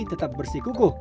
tetap bersih kukuh